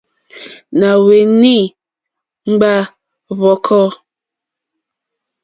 Nà hweni ŋgba hvɔ̀kɔ.